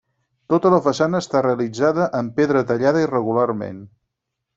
Tota la façana està realitzada en pedra tallada irregularment.